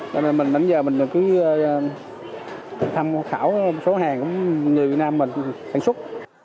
nên mình đến giờ mình cứ thăm khảo số hàng người việt nam mình sản xuất